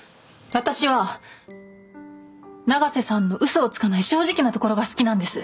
私は永瀬さんの嘘をつかない正直なところが好きなんです。